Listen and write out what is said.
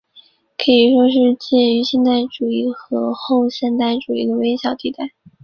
可以说是介于现代主义和后现代主义中间的微小地带。